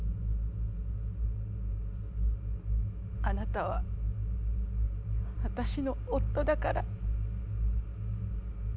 「あなたは私の夫だから」。